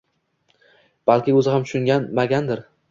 Balki o‘zi ham tushunmagandir.